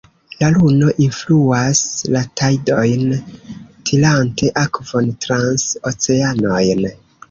La luno influas la tajdojn, tirante akvon trans oceanojn.